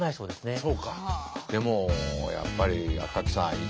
でもやっぱり赤木さん